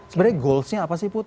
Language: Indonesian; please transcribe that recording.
sebenarnya goalsnya apa sih put